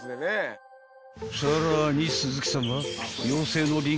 ［さらに鈴木さんは］